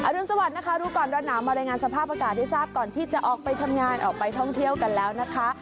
รุนสวัสดินะคะรู้ก่อนร้อนหนาวมารายงานสภาพอากาศให้ทราบก่อนที่จะออกไปทำงานออกไปท่องเที่ยวกันแล้วนะคะ